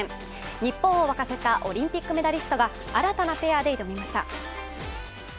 日本を沸かせたオリンピックメダリストが新たなペアで挑みました。